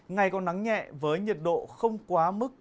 ngày còn nắng nhẹ với nhiệt độ không quá mức